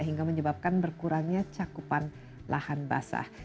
hingga menyebabkan berkurangnya cakupan lahan basah